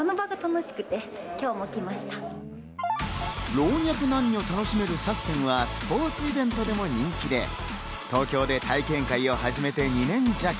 老若男女、楽しめるＳＡＳＳＥＮはスポーツイベントでも人気で、東京で体験会を始めて２年弱。